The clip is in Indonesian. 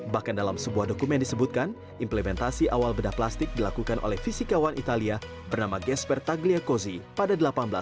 bahkan dalam sebuah dokumen disebutkan implementasi awal bedah plastik dilakukan oleh fisikawan italia bernama gesper tagliakozi pada seribu delapan ratus tujuh puluh